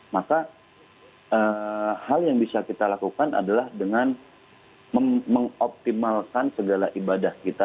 maka hal yang bisa kita lakukan adalah dengan mengoptimalkan segala ibadah kita